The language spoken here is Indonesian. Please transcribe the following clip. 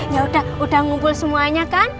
ya udah ngumpul semuanya kan